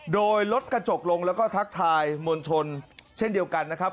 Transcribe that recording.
โดยลดกระจกลงแล้วก็ทักทายมวลชนเช่นเดียวกันนะครับ